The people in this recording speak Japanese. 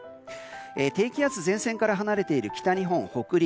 低気圧前線から離れている北日本、北陸